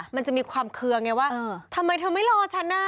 มันจะมีความเคืองไงว่าทำไมเธอไม่รอฉันอ่ะ